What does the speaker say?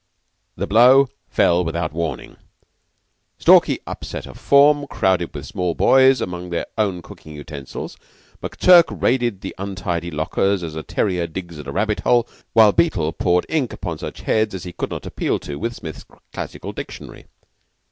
The blow fell without warning. Stalky upset a form crowded with small boys among their own cooking utensils, McTurk raided the untidy lockers as a terrier digs at a rabbit hole, while Beetle poured ink upon such heads as he could not appeal to with a Smith's Classical Dictionary.